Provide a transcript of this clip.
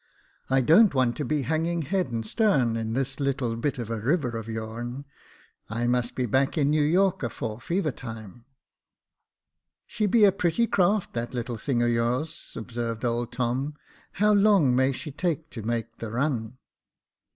I don't want to be hanging head and starn in this little bit of a river of your'n. I must be back to New York afore fever time." 156 Jacob Faithful *' She be a pretty craft, that little thing of yours," observed old Tom ;*' how long may she take to make the run